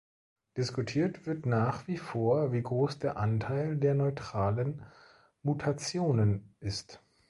Diskutiert wird nach wie vor, wie groß der Anteil der neutralen Mutationen ist.